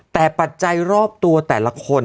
แต่ปัจจัยรอบตัวแต่ละคน